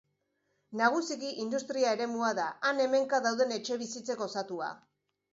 Nagusiki industria eremua da, han-hemenka dauden etxebizitzek osatua.